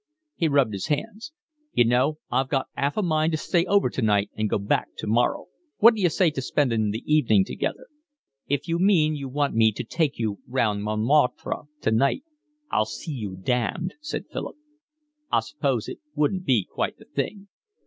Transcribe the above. He rubbed his hands. "You know, I've got 'alf a mind to stay over tonight and go back tomorrow. What d'you say to spending the evening together?" "If you mean you want me to take you round Montmartre tonight, I'll see you damned," said Philip. "I suppose it wouldn't be quite the thing."